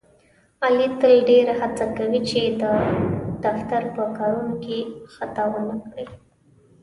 علي تل ډېره هڅه کوي، چې د دفتر په کارونو کې خطا ونه کړي.